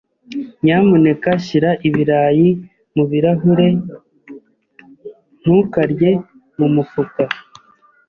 Nyamuneka shyira ibirayi mu birahure. Ntukarye mu mufuka.